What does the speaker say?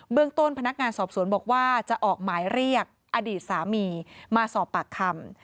เรื่องต้นพนักงานสอบสวนบอกว่าจะออกหมายเรียกอดีตสามีมาสอบปากคำ